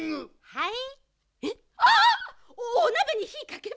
はい。